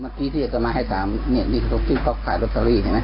เมื่อกี้ที่อัตตามาให้๓เนี่ยนี่ทุกที่ก็ขายลูตเตอรี่เห็นมั้ย